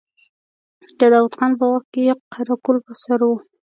د داود خان په وخت کې يې قره قل پر سر و.